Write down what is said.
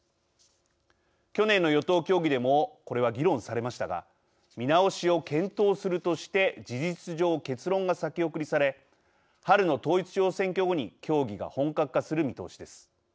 去年の与党協議でもこれは議論されましたが見直しを検討するとして事実上、結論が先送りされ春の統一地方選挙後に協議が本格化する見通しです。